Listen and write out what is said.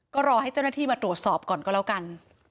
ก็รอให้เจ้าหน้าที่มาตรวจสอบก่อนก็แล้วกัน